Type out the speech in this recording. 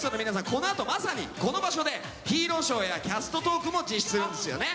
このあとまさにこの場所でヒーローショーやキャストトークも実施するんですよね。